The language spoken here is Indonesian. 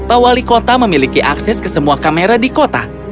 pak wali kota memiliki akses ke semua kamera di kota